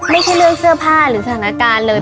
ไม่ใช่เรื่องเสื้อผ้าหรือสถานการณ์เลย